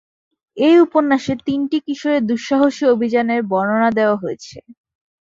এই উপন্যাসে তিনটি কিশোরের দুঃসাহসী অভিযানের বর্ণনা দেওয়া হয়েছে।